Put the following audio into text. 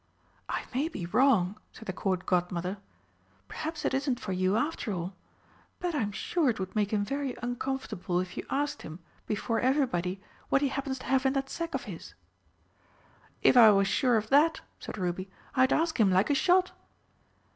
"I may be wrong," said the Court Godmother, "perhaps it isn't for you after all. But I'm sure it would make him very uncomfortable if you asked him, before everybody, what he happens to have in that sack of his." "If I was sure of that," said Ruby, "I'd ask him like a shot!"